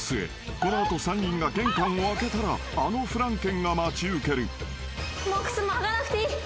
この後３人が玄関を開けたらあのフランケンが待ち受ける］